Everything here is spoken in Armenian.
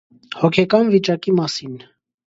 հոգեկան վիճակի մասին: